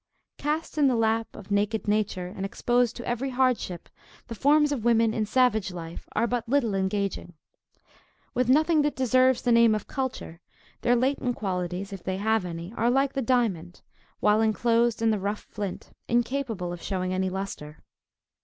Cast in the lap of naked nature, and exposed to every hardship, the forms of women, in savage life, are but little engaging. With nothing that deserves the name of culture, their latent qualities, if they have any, are like the diamond, while enclosed in the rough flint, incapable of shewing any lustre.